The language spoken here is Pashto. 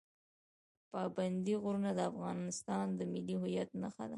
پابندی غرونه د افغانستان د ملي هویت نښه ده.